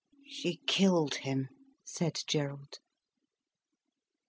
"She killed him," said Gerald.